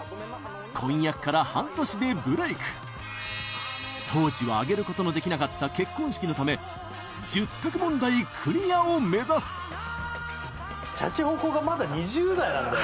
婚約から半年でブレイク当時は挙げることのできなかった結婚式のため１０択問題クリアを目指すシャチホコがまだ２０代なんだよね